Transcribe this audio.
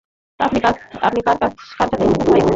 আপনি কার সাথে এসেছেন ভাই?